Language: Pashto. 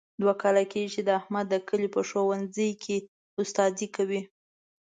دوه کاله کېږي، چې احمد د کلي په ښوونځۍ کې استادي کوي.